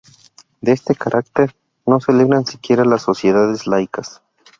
De este carácter no se libran siquiera las sociedades laicas.